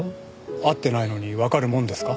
会ってないのにわかるもんですか？